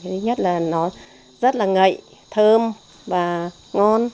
thứ nhất là nó rất là ngậy thơm và ngon